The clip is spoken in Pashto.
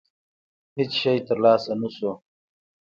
هېڅ شی ترلاسه نه شو.